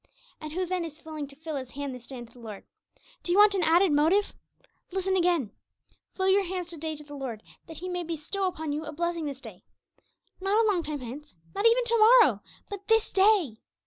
'And who then is willing to fill his hand this day unto the Lord?' Do you want an added motive? Listen again: 'Fill your hands to day to the Lord, that He may bestow upon you a blessing this day.' Not a long time hence, not even to morrow, but 'this day.'